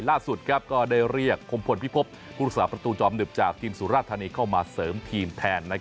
ล่าสุดก็ได้เรียกคมพลพิพบผู้รักษาประตูจอมหึบจากทีมสุราธานีเข้ามาเสริมทีมแทน